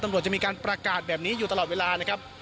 จะมีการประกาศแบบนี้อยู่ตลอดเวลานะครับ